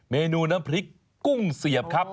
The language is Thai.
เมนูน้ำพริกกุ้งเสียบครับ